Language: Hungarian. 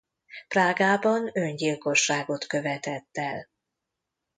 Prágában öngyilkosságot követett el.